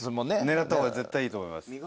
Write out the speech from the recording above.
狙った方が絶対いいと思います。